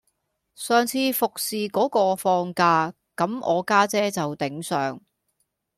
上次服侍果個放假,咁我家姐就頂上